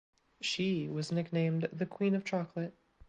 She was nicknamed "the queen of chocolate".